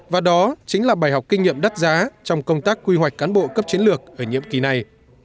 và đó chính là bài học kinh nghiệm đắt giá trong công tác quy hoạch cán bộ cấp chiến lược ở nhiệm kỳ này